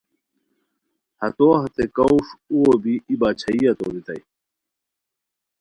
ہتو ہتے کاوݰ اوغو بی ای باچھائیہ تورتائے